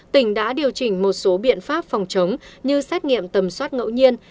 tỉnh đã điều chỉnh một số biện pháp phòng chống như xét nghiệm tầm soát ngẫu nhiên